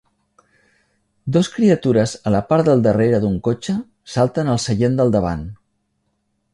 Dos criatures a la part del darrere d'un cotxe salten al seient del davant.